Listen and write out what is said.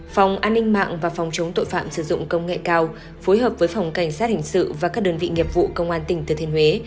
phòng an ninh mạng và phòng chống tội phạm sử dụng công nghệ cao phối hợp với phòng cảnh sát hình sự và các đơn vị nghiệp vụ công an tỉnh thừa thiên huế